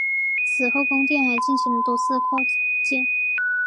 此后宫殿还进行了多次扩建。